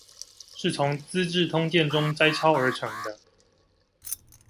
是從資治通鑑中摘抄而成的